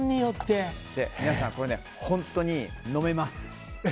皆さん、これ本当に飲めます。